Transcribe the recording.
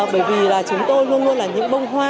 bởi vì là chúng tôi luôn luôn là những bông hoa